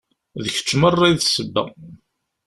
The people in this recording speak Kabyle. D kečč merra i d ssebba.